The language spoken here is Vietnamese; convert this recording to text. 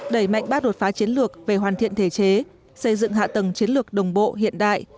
đẩy mạnh bác đột phá chiến lược về hoàn thiện thể chế xây dựng hạ tầng chiến lược đồng bộ hiện đại